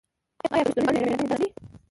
آیا پښتونولي د میړانې درس نه دی؟